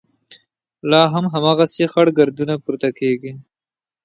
لا هم هماغسې خړ ګردونه پورته کېږي.